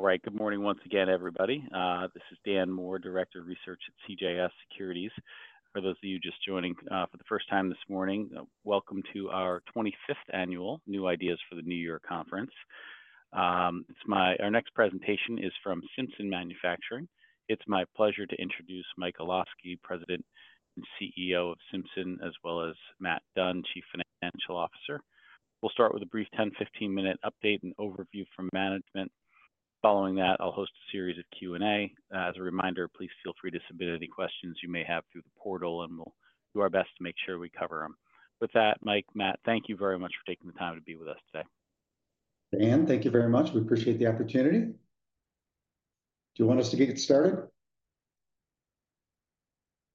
All right, good morning once again, everybody. This is Dan Moore, Director of Research at CJS Securities. For those of you just joining, for the first time this morning, welcome to our 25th annual New Ideas for the New Year conference. It's my, our next presentation is from Simpson Manufacturing. It's my pleasure to introduce Mike Olosky, President and CEO of Simpson, as well as Matt Dunn, Chief Financial Officer. We'll start with a brief 10-15 minute update and overview from management. Following that, I'll host a series of Q&A. As a reminder, please feel free to submit any questions you may have through the portal, and we'll do our best to make sure we cover them. With that, Mike, Matt, thank you very much for taking the time to be with us today. Dan, thank you very much. We appreciate the opportunity. Do you want us to get started?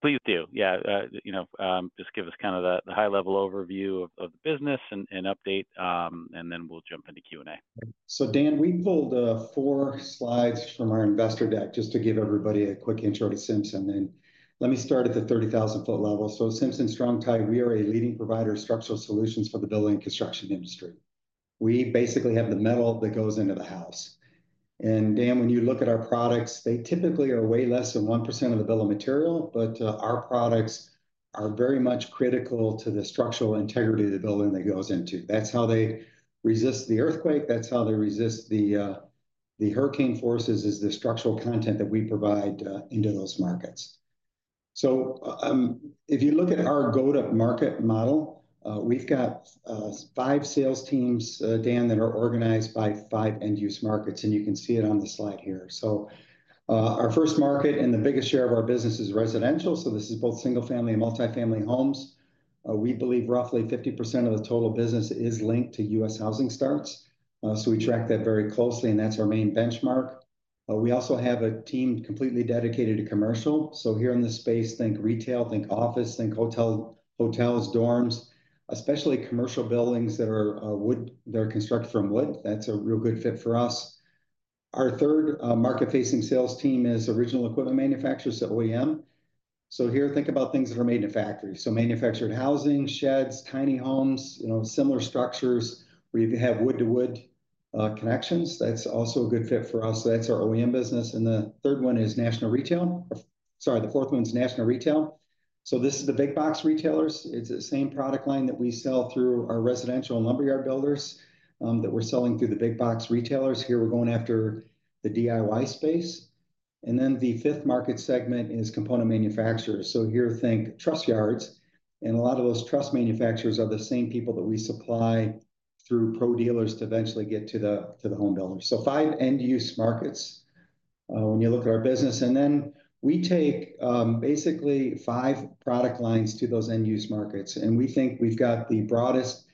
Please do. Yeah, you know, just give us kind of the high-level overview of the business and update, and then we'll jump into Q&A. So, Dan, we pulled four slides from our investor deck just to give everybody a quick intro to Simpson. And let me start at the 30,000-foot level. So, Simpson Strong-Tie, we are a leading provider of structural solutions for the building construction industry. We basically have the metal that goes into the house. And, Dan, when you look at our products, they typically are way less than 1% of the bill of material, but our products are very much critical to the structural integrity of the building that goes into. That's how they resist the earthquake. That's how they resist the hurricane forces is the structural content that we provide into those markets. So, if you look at our go-to-market model, we've got five sales teams, Dan, that are organized by five end-use markets, and you can see it on the slide here. So, our first market and the biggest share of our business is residential. So, this is both single-family and multi-family homes. We believe roughly 50% of the total business is linked to U.S. housing starts. So we track that very closely, and that's our main benchmark. We also have a team completely dedicated to commercial. So, here in this space, think retail, think office, think hotels, dorms, especially commercial buildings that are wood, that are constructed from wood. That's a real good fit for us. Our third, market-facing sales team is original equipment manufacturers, so OEM. So, here, think about things that are made in a factory. So, manufactured housing, sheds, tiny homes, you know, similar structures where you have wood-to-wood connections. That's also a good fit for us. So, that's our OEM business. And the third one is national retail. Sorry, the fourth one's national retail. So, this is the big-box retailers. It's the same product line that we sell through our residential and lumberyard builders, that we're selling through the big-box retailers. Here, we're going after the DIY space. And then the fifth market segment is component manufacturers. So, here, think truss yards. And a lot of those truss manufacturers are the same people that we supply through pro dealers to eventually get to the home builders. So, five end-use markets, when you look at our business. And then we take, basically five product lines to those end-use markets. And we think we've got the broadest,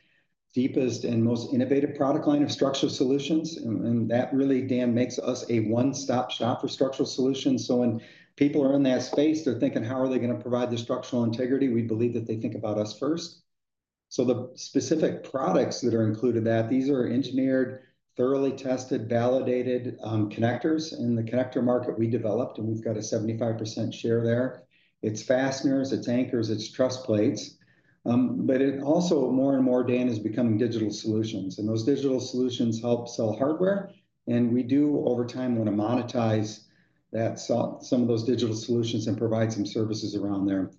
deepest, and most innovative product line of structural solutions. And that really, Dan, makes us a one-stop shop for structural solutions. So, when people are in that space, they're thinking, how are they going to provide the structural integrity? We believe that they think about us first, so the specific products that are included in that, these are engineered, thoroughly tested, validated, connectors, and the connector market we developed, and we've got a 75% share there. It's fasteners, it's anchors, it's truss plates, but it also more and more, Dan, is becoming digital solutions, and those digital solutions help sell hardware, and we do, over time, want to monetize that, sell some of those digital solutions and provide some services around there.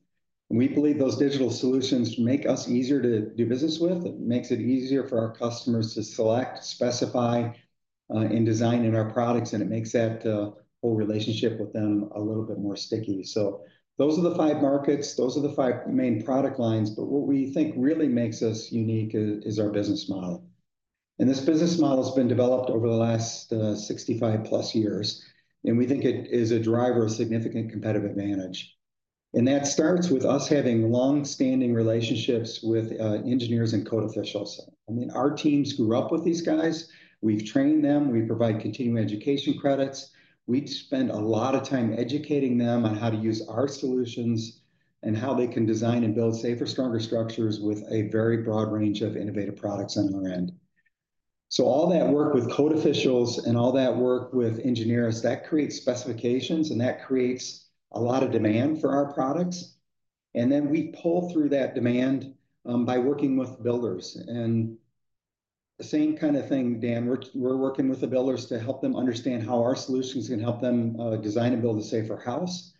We believe those digital solutions make us easier to do business with. It makes it easier for our customers to select, specify, and design in our products, and it makes that whole relationship with them a little bit more sticky, so those are the five markets. Those are the five main product lines, but what we think really makes us unique is our business model. This business model has been developed over the last 65-plus years. We think it is a driver of significant competitive advantage. That starts with us having long-standing relationships with engineers and code officials. I mean, our teams grew up with these guys. We've trained them. We provide continuing education credits. We spend a lot of time educating them on how to use our solutions and how they can design and build safer, stronger structures with a very broad range of innovative products on our end. So, all that work with code officials and all that work with engineers, that creates specifications, and that creates a lot of demand for our products. Then we pull through that demand by working with builders. And the same kind of thing, Dan, we're working with the builders to help them understand how our solutions can help them design and build a safer house.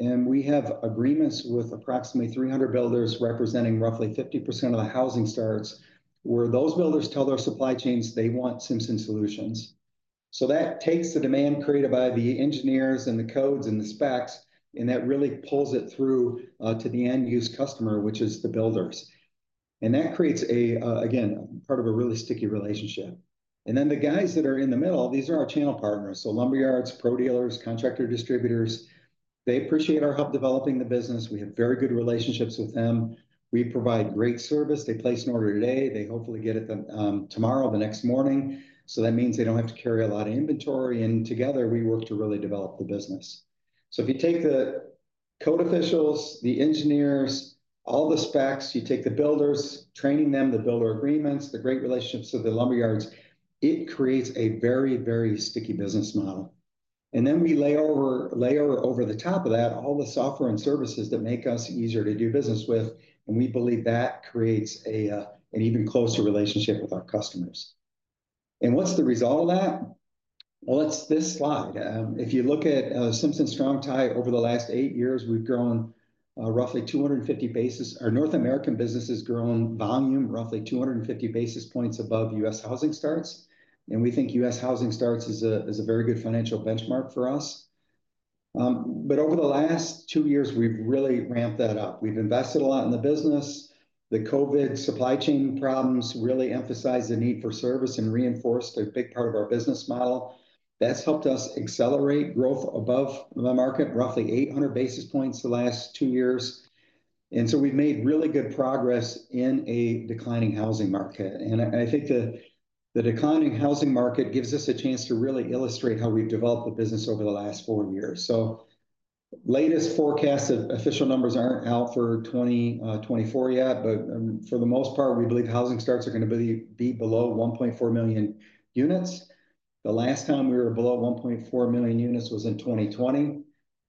And we have agreements with approximately 300 builders representing roughly 50% of the housing starts where those builders tell their supply chains they want Simpson solutions. So, that takes the demand created by the engineers and the codes and the specs, and that really pulls it through to the end-use customer, which is the builders. And that creates, again, part of a really sticky relationship. And then the guys that are in the middle, these are our channel partners. So, lumberyards, pro dealers, contractor distributors, they appreciate our help developing the business. We have very good relationships with them. We provide great service. They place an order today. They hopefully get it tomorrow, the next morning. So, that means they don't have to carry a lot of inventory. And together, we work to really develop the business. So, if you take the code officials, the engineers, all the specs, you take the builders, training them, the builder agreements, the great relationships of the lumberyards, it creates a very, very sticky business model. And then we layer over the top of that all the software and services that make us easier to do business with. And we believe that creates an even closer relationship with our customers. And what's the result of that? Well, it's this slide. If you look at Simpson Strong-Tie over the last eight years, we've grown roughly 250 basis points. Our North American business has grown volume roughly 250 basis points above U.S. housing starts. And we think U.S. Housing starts is a very good financial benchmark for us. But over the last two years, we've really ramped that up. We've invested a lot in the business. The COVID supply chain problems really emphasized the need for service and reinforced a big part of our business model. That's helped us accelerate growth above the market, roughly 800 basis points the last two years. And so, we've made really good progress in a declining housing market. And I think the declining housing market gives us a chance to really illustrate how we've developed the business over the last four years. So, latest forecasts of official numbers aren't out for 2024 yet, but for the most part, we believe housing starts are going to be below 1.4 million units. The last time we were below 1.4 million units was in 2020.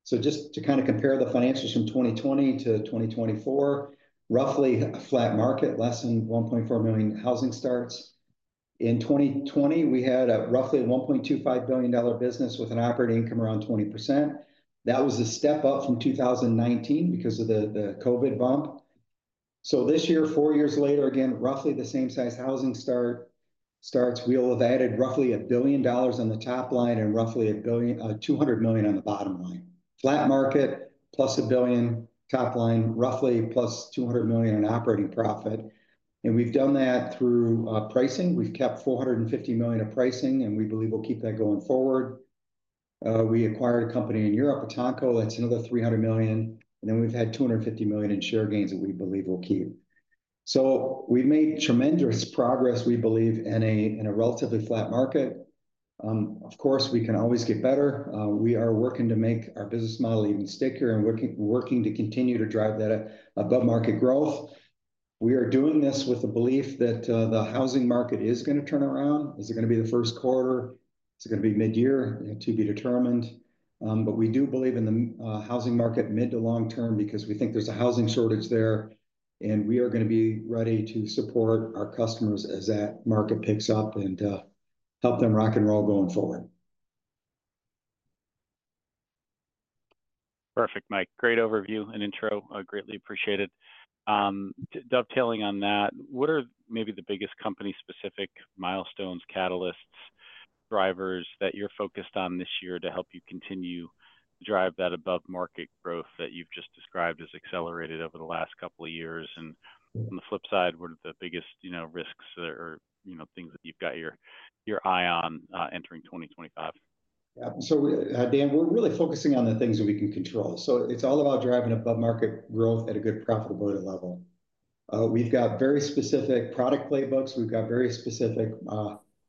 So, just to kind of compare the financials from 2020 to 2024, roughly a flat market, less than 1.4 million housing starts. In 2020, we had a roughly $1.25 billion business with an operating income around 20%. That was a step up from 2019 because of the, the COVID bump. So, this year, four years later, again, roughly the same size housing starts, we'll have added roughly $1.2 billion on the top line and roughly $1.2 billion on the bottom line. Flat market, plus $1 billion top line, roughly plus $200 million in operating profit. And we've done that through pricing. We've kept $450 million of pricing, and we believe we'll keep that going forward. We acquired a company in Europe, Etanco. That's another $300 million. And then we've had $250 million in share gains that we believe we'll keep. So, we've made tremendous progress, we believe, in a relatively flat market. Of course, we can always get better. We are working to make our business model even stickier and working to continue to drive that above-market growth. We are doing this with the belief that the housing market is going to turn around. Is it going to be the first quarter? Is it going to be mid-year? It'll be determined. But we do believe in the housing market mid to long term because we think there's a housing shortage there. And we are going to be ready to support our customers as that market picks up and help them rock and roll going forward. Perfect, Mike. Great overview and intro. Greatly appreciated. Dovetailing on that, what are maybe the biggest company-specific milestones, catalysts, drivers that you're focused on this year to help you continue to drive that above-market growth that you've just described as accelerated over the last couple of years? And on the flip side, what are the biggest, you know, risks or, you know, things that you've got your eye on, entering 2025? Yeah. So, Dan, we're really focusing on the things that we can control. So, it's all about driving above-market growth at a good profitability level. We've got very specific product playbooks. We've got very specific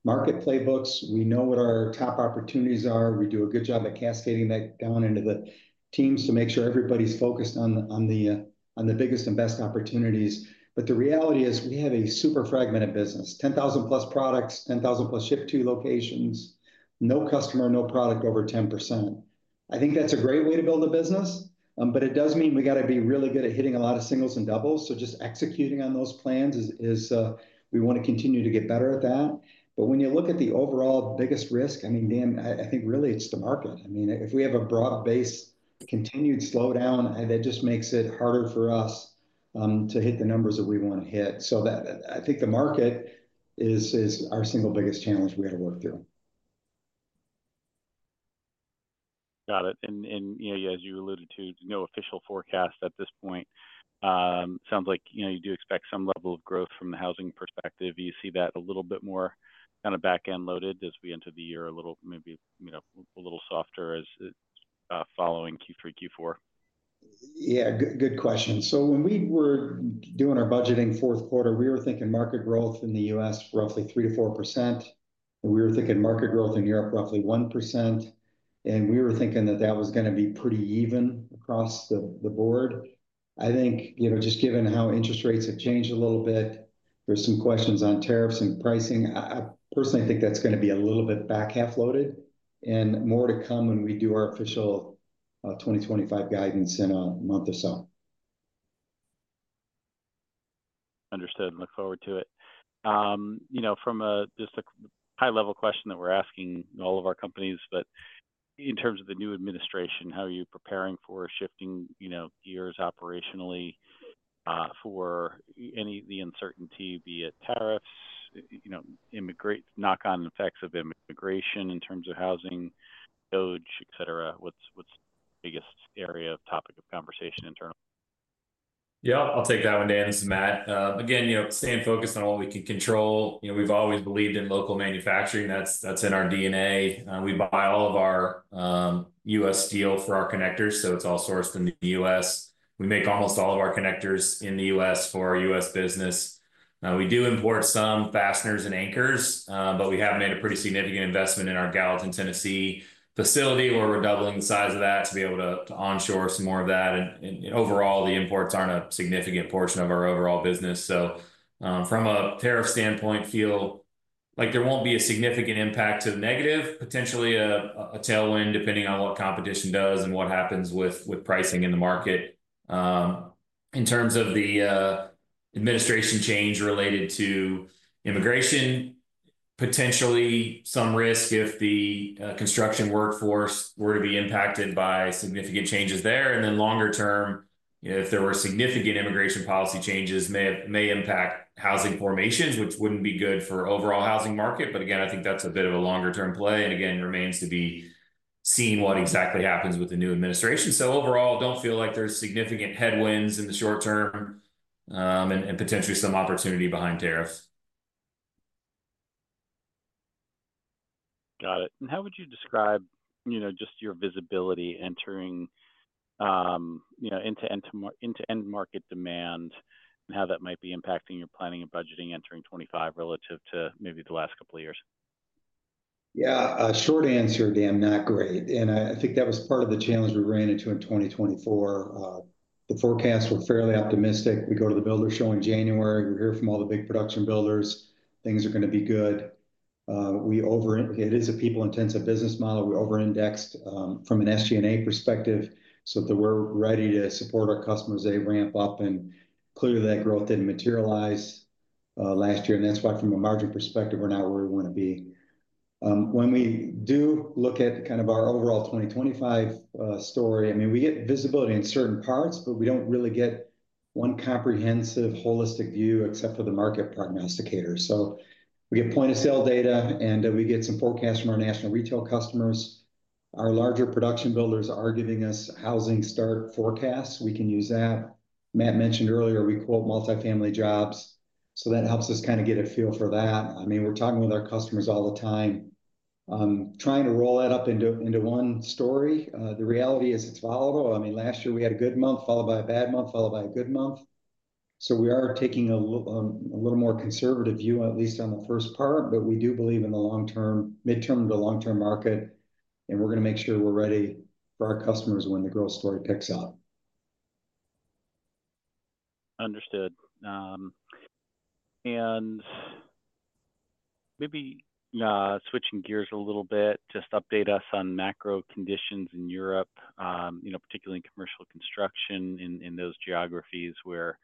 market playbooks. We know what our top opportunities are. We do a good job at cascading that down into the teams to make sure everybody's focused on the biggest and best opportunities. But the reality is we have a super fragmented business, 10,000+ products, 10,000+ ship-to locations, no customer, no product over 10%. I think that's a great way to build a business. But it does mean we got to be really good at hitting a lot of singles and doubles. So, just executing on those plans is. We want to continue to get better at that. But when you look at the overall biggest risk, I mean, Dan, I think really it's the market. I mean, if we have a broad base continued slowdown, that just makes it harder for us to hit the numbers that we want to hit. So, I think the market is our single biggest challenge we have to work through. Got it. And you know, as you alluded to, no official forecast at this point. Sounds like, you know, you do expect some level of growth from the housing perspective. Do you see that a little bit more kind of back-end loaded as we enter the year a little, maybe, you know, a little softer following Q3, Q4? Yeah, good, good question. So, when we were doing our budgeting fourth quarter, we were thinking market growth in the U.S. roughly 3%-4%. And we were thinking market growth in Europe roughly 1%. And we were thinking that that was going to be pretty even across the board. I think, you know, just given how interest rates have changed a little bit, there's some questions on tariffs and pricing. I personally think that's going to be a little bit back-half loaded and more to come when we do our official 2025 guidance in a month or so. Understood. Look forward to it. You know, from just a high-level question that we're asking all of our companies, but in terms of the new administration, how are you preparing for shifting, you know, gears operationally, for any of the uncertainty, be it tariffs, you know, immigration, knock-on effects of immigration in terms of housing, Dodge, etc.? What's the biggest area of topic of conversation internally? Yeah, I'll take that one, Dan. This is Matt again. You know, staying focused on what we can control. You know, we've always believed in local manufacturing. That's, that's in our DNA. We buy all of our U.S. steel for our connectors. So, it's all sourced in the U.S. We make almost all of our connectors in the U.S. for our U.S. business. We do import some fasteners and anchors, but we have made a pretty significant investment in our Gallatin, Tennessee facility where we're doubling the size of that to be able to onshore some more of that. And overall, the imports aren't a significant portion of our overall business. So, from a tariff standpoint, feel like there won't be a significant impact to the negative, potentially a tailwind depending on what competition does and what happens with pricing in the market. In terms of the administration change related to immigration, potentially some risk if the construction workforce were to be impacted by significant changes there, and then longer term, you know, if there were significant immigration policy changes, may impact housing formations, which wouldn't be good for overall housing market, but again, I think that's a bit of a longer-term play, and again, remains to be seen what exactly happens with the new administration, so overall, don't feel like there's significant headwinds in the short term, and potentially some opportunity behind tariffs. Got it. And how would you describe, you know, just your visibility entering, you know, into end-to-market demand and how that might be impacting your planning and budgeting entering 2025 relative to maybe the last couple of years? Yeah, short answer, Dan, not great. And I, I think that was part of the challenge we ran into in 2024. The forecasts were fairly optimistic. We go to the Builders' Show in January. We hear from all the big production builders. Things are going to be good. We over, it is a people-intensive business model. We over-indexed, from an SG&A perspective so that we're ready to support our customers as they ramp up. And clearly, that growth didn't materialize last year. And that's why, from a margin perspective, we're not where we want to be. When we do look at kind of our overall 2025 story, I mean, we get visibility in certain parts, but we don't really get one comprehensive, holistic view except for the market prognosticators. So, we get point-of-sale data and we get some forecasts from our national retail customers. Our larger production builders are giving us housing start forecasts. We can use that. Matt mentioned earlier, we quote multifamily jobs. So, that helps us kind of get a feel for that. I mean, we're talking with our customers all the time, trying to roll that up into, into one story. The reality is it's volatile. I mean, last year we had a good month followed by a bad month followed by a good month. So, we are taking a little, a little more conservative view, at least on the first part, but we do believe in the long-term, mid-term to long-term market. And we're going to make sure we're ready for our customers when the growth story picks up. Understood. And maybe, switching gears a little bit, just update us on macro conditions in Europe, you know, particularly in commercial construction in those geographies where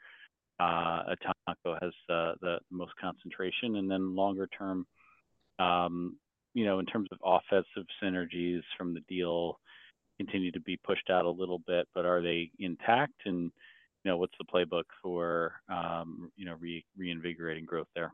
Etanco has the most concentration. And then longer term, you know, in terms of offensive synergies from the deal continue to be pushed out a little bit, but are they intact? And, you know, what's the playbook for, you know, reinvigorating growth there?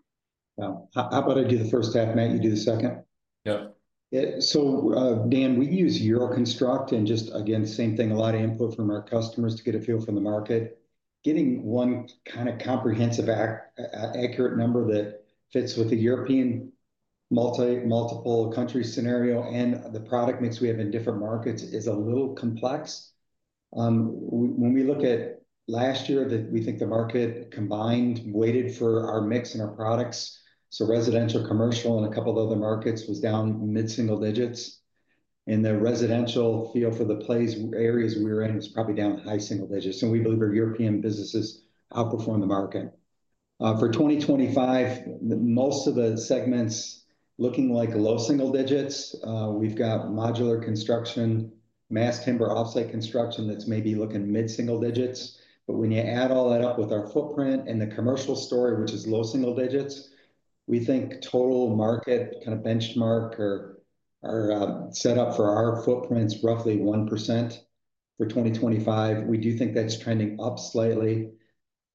Yeah. How about I do the first half, Matt? You do the second. Yep. Yeah. So, Dan, we use Euroconstruct and just, again, same thing, a lot of input from our customers to get a feel for the market. Getting one kind of comprehensive, accurate number that fits with the European multiple country scenario and the product mix we have in different markets is a little complex. When we look at last year, we think the market combined weighted for our mix and our products. So, residential, commercial, and a couple of other markets was down mid-single digits. And the residential feel for the places areas we were in was probably down high single digits. So, we believe our European businesses outperform the market. For 2025, most of the segments looking like low single digits. We've got modular construction, mass timber offsite construction that's maybe looking mid-single digits. But when you add all that up with our footprint and the commercial story, which is low single digits, we think total market kind of benchmark or set up for our footprints roughly 1% for 2025. We do think that's trending up slightly.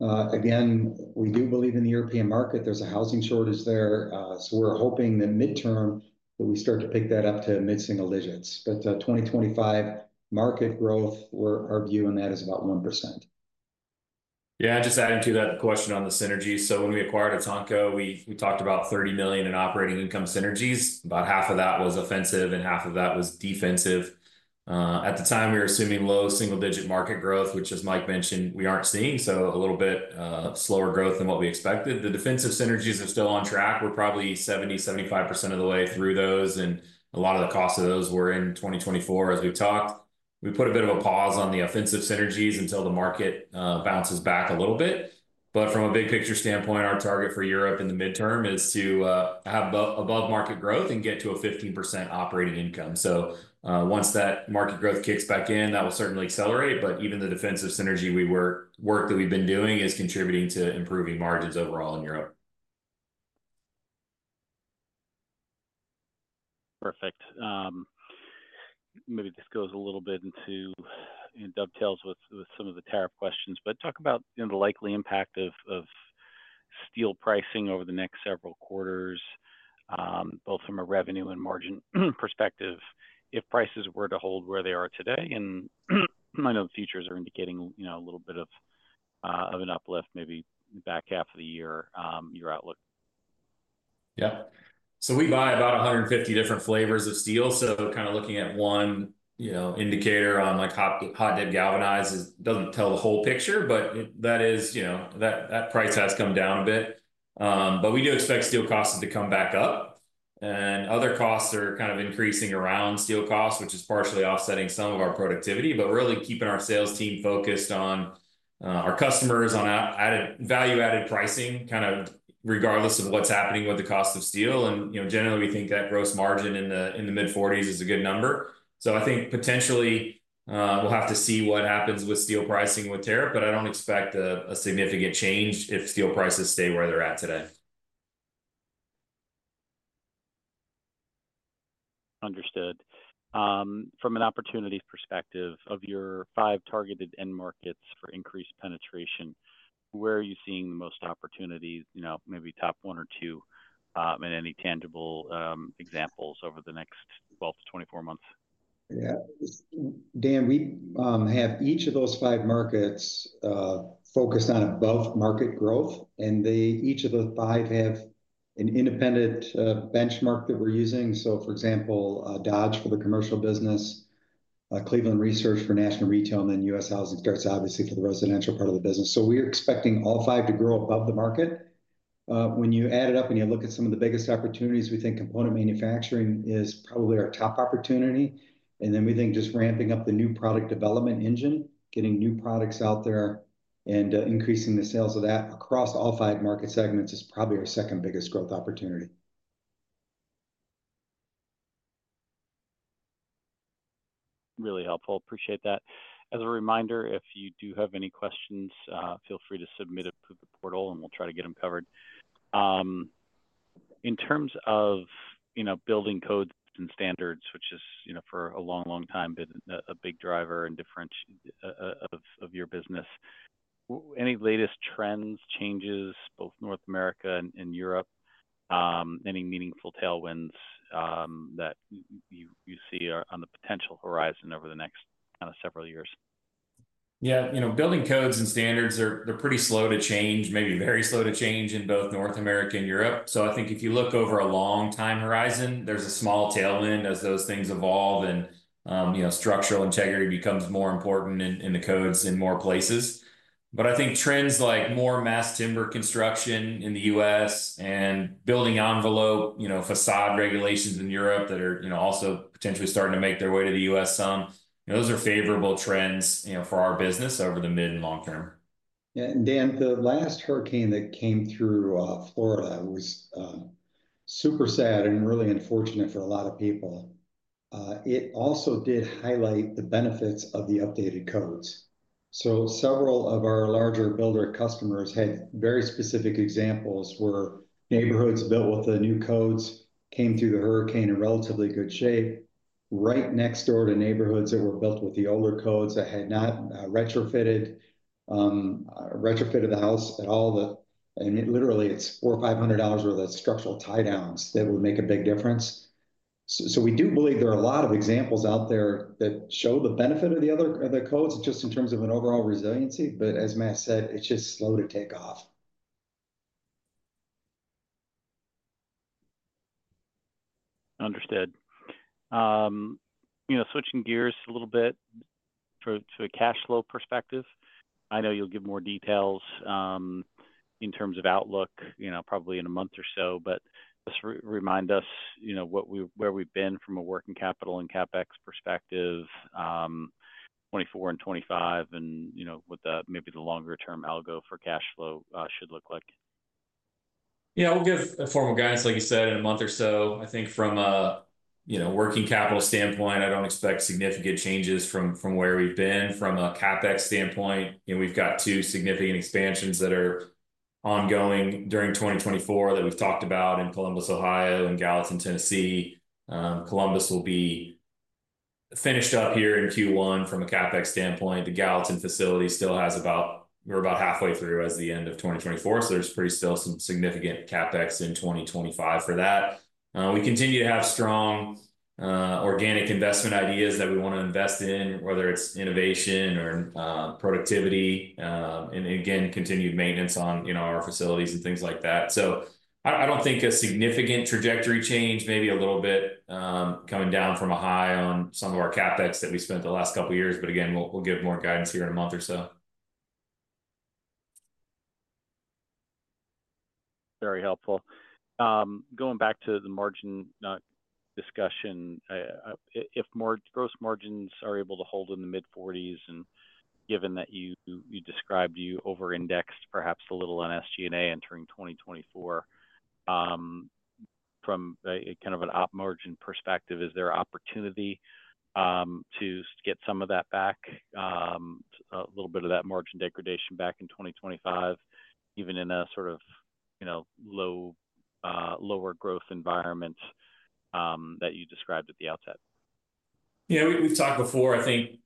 Again, we do believe in the European market. There's a housing shortage there. So we're hoping that midterm that we start to pick that up to mid-single digits. But 2025 market growth, our view on that is about 1%. Yeah, just adding to that question on the synergy. So, when we acquired Etanco, we talked about $30 million in operating income synergies. About half of that was offensive and half of that was defensive. At the time, we were assuming low single-digit market growth, which, as Mike mentioned, we aren't seeing, so a little bit slower growth than what we expected. The defensive synergies are still on track. We're probably 70%-75% of the way through those, and a lot of the costs of those were in 2024 as we've talked. We put a bit of a pause on the offensive synergies until the market bounces back a little bit, but from a big picture standpoint, our target for Europe in the midterm is to have above-market growth and get to a 15% operating income, so once that market growth kicks back in, that will certainly accelerate. But even the defensive synergy we work that we've been doing is contributing to improving margins overall in Europe. Perfect. Maybe this goes a little bit into and dovetails with, with some of the tariff questions, but talk about, you know, the likely impact of steel pricing over the next several quarters, both from a revenue and margin perspective. If prices were to hold where they are today, and I know the futures are indicating, you know, a little bit of an uplift maybe the back half of the year, your outlook. Yeah. So, we buy about 150 different flavors of steel. So, kind of looking at one, you know, indicator on like hot-dip galvanized doesn't tell the whole picture, but that is, you know, that price has come down a bit, but we do expect steel costs to come back up. And other costs are kind of increasing around steel costs, which is partially offsetting some of our productivity, but really keeping our sales team focused on, our customers on added value, added pricing, kind of regardless of what's happening with the cost of steel. And, you know, generally, we think that gross margin in the mid-forties is a good number. So, I think potentially, we'll have to see what happens with steel pricing with tariff, but I don't expect a significant change if steel prices stay where they're at today. Understood. From an opportunity perspective of your five targeted end markets for increased penetration, where are you seeing the most opportunities, you know, maybe top one or two, and any tangible examples over the next 12 to 24 months? Yeah. Dan, we have each of those five markets focused on above-market growth. And each of the five have an independent benchmark that we're using. So, for example, Dodge for the commercial business, Cleveland Research for national retail, and then U.S. housing starts obviously for the residential part of the business. So, we're expecting all five to grow above the market. When you add it up and you look at some of the biggest opportunities, we think component manufacturing is probably our top opportunity. And then we think just ramping up the new product development engine, getting new products out there and increasing the sales of that across all five market segments is probably our second biggest growth opportunity. Really helpful. Appreciate that. As a reminder, if you do have any questions, feel free to submit it through the portal and we'll try to get them covered. In terms of, you know, building codes and standards, which is, you know, for a long, long time been a big driver and differentiation of, of your business, any latest trends, changes both North America and, and Europe, any meaningful tailwinds, that you, you see on the potential horizon over the next kind of several years? Yeah, you know, building codes and standards, they're, they're pretty slow to change, maybe very slow to change in both North America and Europe. So, I think if you look over a long time horizon, there's a small tailwind as those things evolve and, you know, structural integrity becomes more important in, in the codes in more places. But I think trends like more mass timber construction in the U.S. and building envelope, you know, facade regulations in Europe that are, you know, also potentially starting to make their way to the U.S. some, you know, those are favorable trends, you know, for our business over the mid and long term. Yeah. And Dan, the last hurricane that came through Florida was super sad and really unfortunate for a lot of people. It also did highlight the benefits of the updated codes. So, several of our larger builder customers had very specific examples where neighborhoods built with the new codes came through the hurricane in relatively good shape, right next door to neighborhoods that were built with the older codes that had not retrofitted the house at all. And it literally is $400 or $500 worth of structural tie-downs that would make a big difference. So we do believe there are a lot of examples out there that show the benefit of the codes just in terms of an overall resiliency. But as Matt said, it's just slow to take off. Understood. You know, switching gears a little bit to a cash flow perspective, I know you'll give more details in terms of outlook, you know, probably in a month or so, but just remind us, you know, where we've been from a working capital and CapEx perspective, 2024 and 2025, and, you know, what the longer-term algorithm for cash flow should look like. Yeah, we'll give a formal guidance, like you said, in a month or so. I think from a, you know, working capital standpoint, I don't expect significant changes from where we've been from a CapEx standpoint. You know, we've got two significant expansions that are ongoing during 2024 that we've talked about in Columbus, Ohio, and Gallatin, Tennessee. Columbus will be finished up here in Q1 from a CapEx standpoint. The Gallatin facility still has about, we're about halfway through as the end of 2024. So, there's pretty still some significant CapEx in 2025 for that. We continue to have strong, organic investment ideas that we want to invest in, whether it's innovation or, productivity, and again, continued maintenance on, you know, our facilities and things like that. I don't think a significant trajectory change, maybe a little bit, coming down from a high on some of our CapEx that we spent the last couple of years. But again, we'll give more guidance here in a month or so. Very helpful. Going back to the margin discussion, if more gross margins are able to hold in the mid-forties and given that you described you over-indexed perhaps a little on SG&A entering 2024, from a kind of an op margin perspective, is there opportunity to get some of that back, a little bit of that margin degradation back in 2025, even in a sort of, you know, low, lower growth environment that you described at the outset? Yeah, we, we've talked before. I think,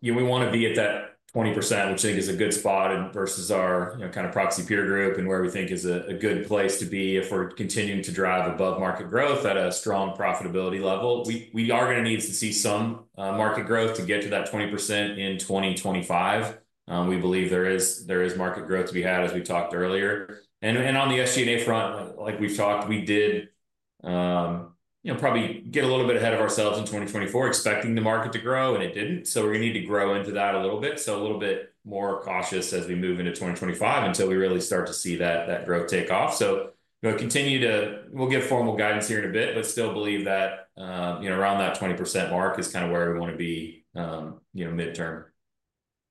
you know, we want to be at that 20%, which I think is a good spot and versus our, you know, kind of proxy peer group and where we think is a, a good place to be if we're continuing to drive above-market growth at a strong profitability level. We, we are going to need to see some, market growth to get to that 20% in 2025. We believe there is, there is market growth to be had as we talked earlier. And, and on the SG&A front, like we've talked, we did, you know, probably get a little bit ahead of ourselves in 2024 expecting the market to grow and it didn't. So, we're going to need to grow into that a little bit. So, a little bit more cautious as we move into 2025 until we really start to see that growth take off. So, we'll get formal guidance here in a bit, but still believe that, you know, around that 20% mark is kind of where we want to be, you know, midterm.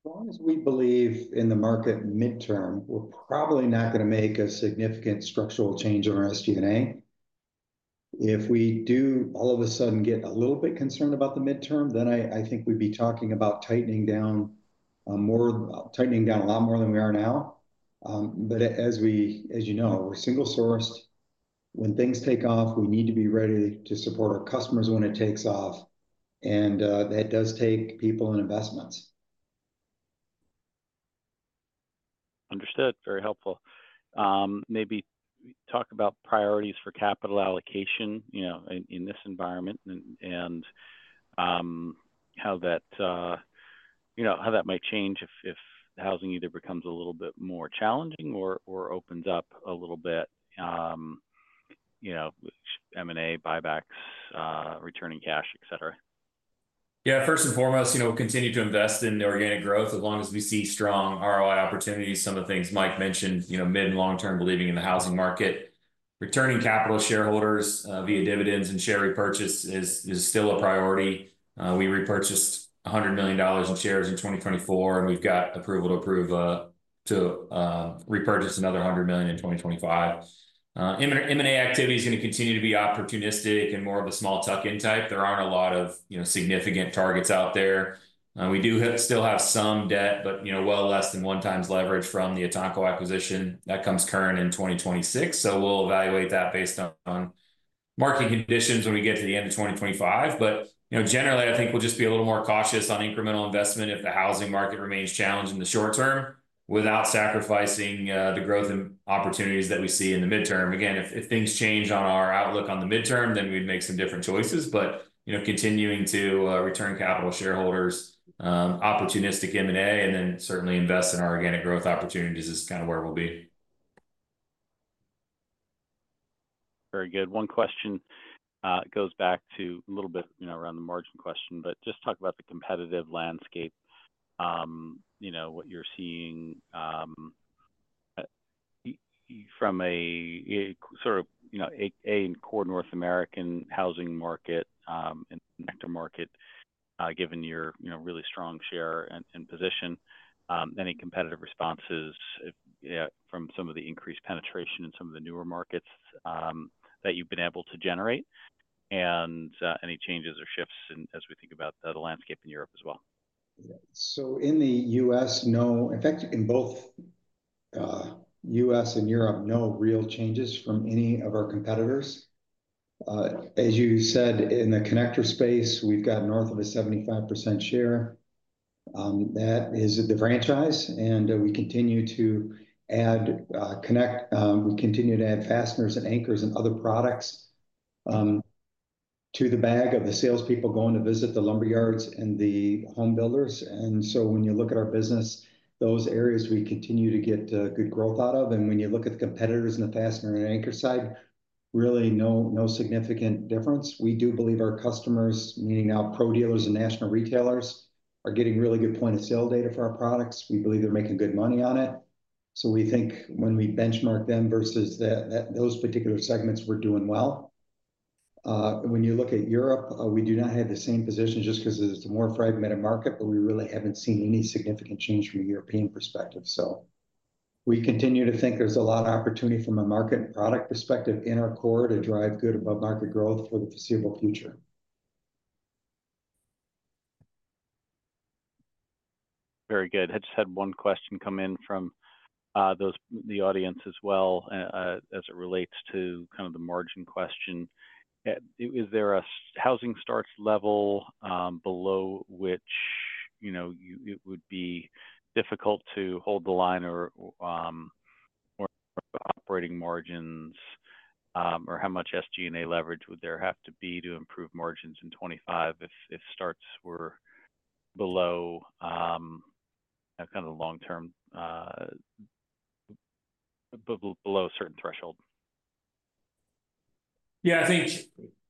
As long as we believe in the market midterm, we're probably not going to make a significant structural change in our SG&A. If we do all of a sudden get a little bit concerned about the midterm, then I, I think we'd be talking about tightening down, more tightening down a lot more than we are now. But as we, as you know, we're single sourced. When things take off, we need to be ready to support our customers when it takes off. And that does take people and investments. Understood. Very helpful. Maybe talk about priorities for capital allocation, you know, in this environment and how that might change if housing either becomes a little bit more challenging or opens up a little bit, you know, M&A, buybacks, returning cash, et cetera. Yeah. First and foremost, you know, we'll continue to invest in the organic growth as long as we see strong ROI opportunities. Some of the things Mike mentioned, you know, mid and long term, believing in the housing market, returning capital shareholders, via dividends and share repurchase is still a priority. We repurchased $100 million in shares in 2024, and we've got approval to repurchase another $100 million in 2025. M&A activity is going to continue to be opportunistic and more of a small tuck-in type. There aren't a lot of, you know, significant targets out there. We do still have some debt, but, you know, well less than one times leverage from the Etanco acquisition that comes current in 2026. We'll evaluate that based on market conditions when we get to the end of 2025. You know, generally, I think we'll just be a little more cautious on incremental investment if the housing market remains challenged in the short term without sacrificing the growth and opportunities that we see in the midterm. Again, if things change on our outlook on the midterm, then we'd make some different choices. You know, continuing to return capital to shareholders, opportunistic M&A, and then certainly invest in our organic growth opportunities is kind of where we'll be. Very good. One question, goes back to a little bit, you know, around the margin question, but just talk about the competitive landscape, you know, what you're seeing, from a sort of, you know, a core North American housing market, and sector market, given your, you know, really strong share and position, any competitive responses if, you know, from some of the increased penetration in some of the newer markets, that you've been able to generate and, any changes or shifts in, as we think about the landscape in Europe as well. Yeah. So, in the U.S., no. In fact, in both U.S. and Europe, no real changes from any of our competitors. As you said, in the connector space, we've got north of a 75% share. That is the franchise. And we continue to add connectors. We continue to add fasteners and anchors and other products to the bag of the salespeople going to visit the lumber yards and the home builders. And so when you look at our business, those areas we continue to get good growth out of. And when you look at the competitors in the fastener and anchor side, really no significant difference. We do believe our customers, meaning our pro dealers and national retailers, are getting really good point of sale data for our products. We believe they're making good money on it. We think when we benchmark them versus that, that those particular segments we're doing well. When you look at Europe, we do not have the same position just because it's a more fragmented market, but we really haven't seen any significant change from a European perspective. We continue to think there's a lot of opportunity from a market and product perspective in our core to drive good above-market growth for the foreseeable future. Very good. I just had one question come in from those in the audience as well, as it relates to kind of the margin question. Is there a housing starts level below which, you know, it would be difficult to hold the line or operating margins, or how much SG&A leverage would there have to be to improve margins in 2025 if starts were below, kind of long-term, below a certain threshold? Yeah, I think,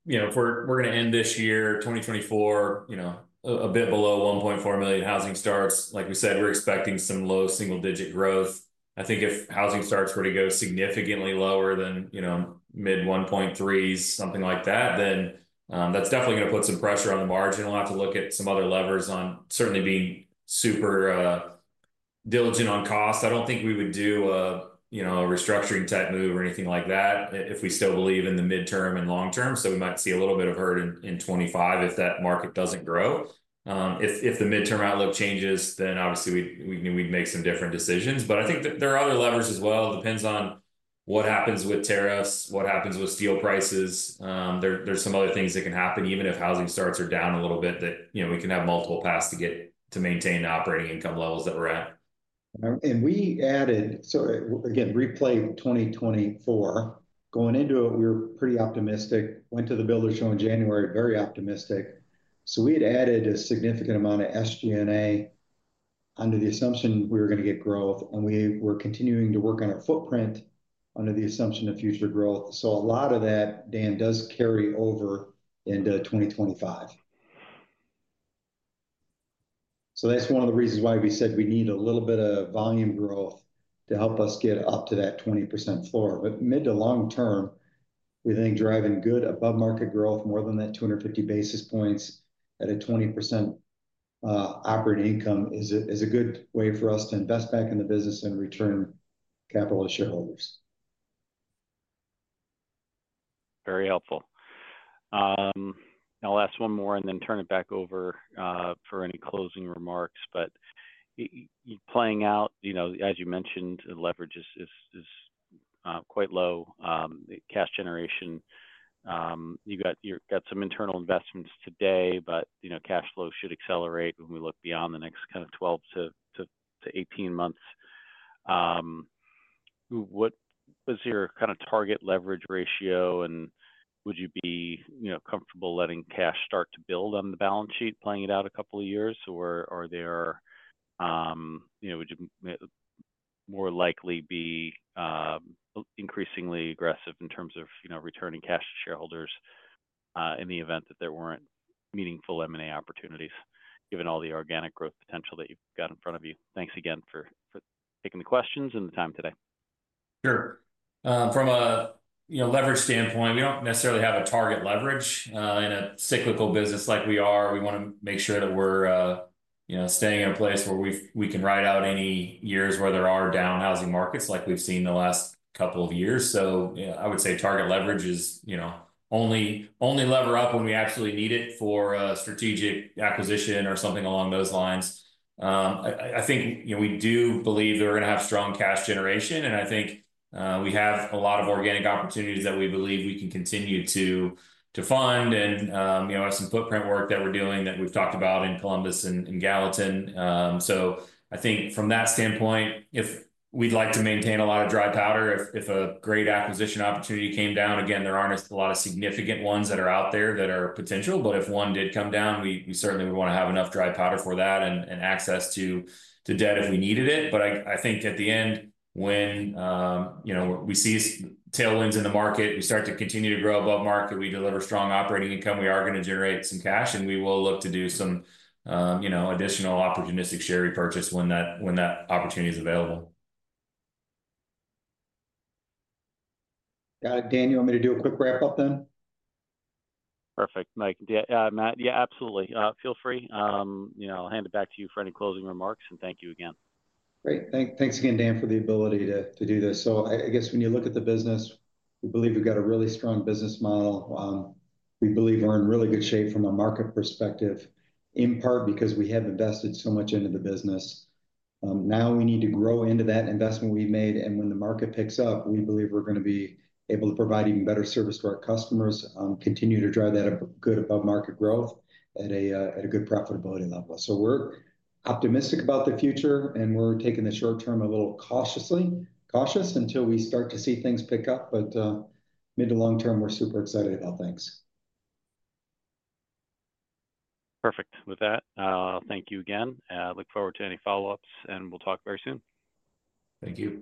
you know, if we're going to end this year, 2024, you know, a bit below 1.4 million housing starts. Like we said, we're expecting some low single digit growth. I think if housing starts were to go significantly lower than, you know, mid 1.3s, something like that, then that's definitely going to put some pressure on the margin. We'll have to look at some other levers on certainly being super diligent on cost. I don't think we would do a, you know, a restructuring type move or anything like that if we still believe in the midterm and long term. So, we might see a little bit of hurt in 2025 if that market doesn't grow. If the midterm outlook changes, then obviously we'd make some different decisions. But I think there are other levers as well. It depends on what happens with tariffs, what happens with steel prices. There, there's some other things that can happen even if housing starts are down a little bit that, you know, we can have multiple paths to get to maintain the operating income levels that we're at. and we added, so again, recap 2024, going into it, we were pretty optimistic, went to the builder show in January, very optimistic. So, we had added a significant amount of SG&A under the assumption we were going to get growth, and we were continuing to work on our footprint under the assumption of future growth. So, a lot of that, Dan, does carry over into 2025. So, that's one of the reasons why we said we need a little bit of volume growth to help us get up to that 20% floor. But mid to long term, we think driving good above-market growth more than that 250 basis points at a 20% operating income is a, is a good way for us to invest back in the business and return capital to shareholders. Very helpful. I'll ask one more and then turn it back over for any closing remarks. But you playing out, you know, as you mentioned, the leverage is quite low. The cash generation, you got some internal investments today, but, you know, cash flow should accelerate when we look beyond the next kind of 12-18 months. What was your kind of target leverage ratio and would you be, you know, comfortable letting cash start to build on the balance sheet playing it out a couple of years or are there, you know, would you more likely be increasingly aggressive in terms of, you know, returning cash to shareholders, in the event that there weren't meaningful M&A opportunities given all the organic growth potential that you've got in front of you? Thanks again for taking the questions and the time today. Sure. From a, you know, leverage standpoint, we don't necessarily have a target leverage in a cyclical business like we are. We want to make sure that we're, you know, staying in a place where we can write out any years where there are down housing markets like we've seen the last couple of years. So, yeah, I would say target leverage is, you know, only lever up when we actually need it for a strategic acquisition or something along those lines. I think, you know, we do believe that we're going to have strong cash generation. And I think we have a lot of organic opportunities that we believe we can continue to fund and, you know, have some footprint work that we're doing that we've talked about in Columbus and Gallatin. So I think from that standpoint, if we'd like to maintain a lot of dry powder, if a great acquisition opportunity came down, again, there aren't a lot of significant ones that are out there that are potential. But if one did come down, we certainly would want to have enough dry powder for that and access to debt if we needed it. But I think at the end when, you know, we see tailwinds in the market, we start to continue to grow above market, we deliver strong operating income, we are going to generate some cash and we will look to do some, you know, additional opportunistic share repurchase when that opportunity is available. Dan, I'm going to do a quick wrap up then. Perfect. Mike, Matt, yeah, absolutely. Feel free. You know, I'll hand it back to you for any closing remarks and thank you again. Great. Thanks, thanks again, Dan, for the ability to do this. So, I guess when you look at the business, we believe we've got a really strong business model. We believe we're in really good shape from a market perspective in part because we have invested so much into the business. Now we need to grow into that investment we've made. And when the market picks up, we believe we're going to be able to provide even better service to our customers, continue to drive that good above-market growth at a good profitability level. So, we're optimistic about the future and we're taking the short term a little cautiously, cautious until we start to see things pick up. But, mid to long term, we're super excited about things. Perfect. With that, thank you again. Look forward to any follow-ups and we'll talk very soon. Thank you.